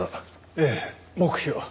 ええ黙秘を。